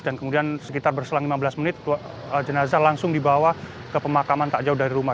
dan kemudian sekitar berselang lima belas menit jenasa langsung dibawa ke pemakaman tak jauh dari rumah